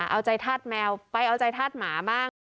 เอาใจทาสแมวไปเอาใจทาสหมาบ้าง